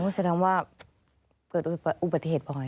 แสดงว่าเกิดอุบัติเหตุบ่อย